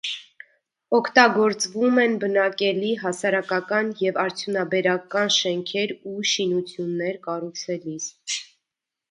Օգտագործվում են բնակելի, հասարակական և արդյունաբերական շենքեր ու շինություններ կառուցելիս։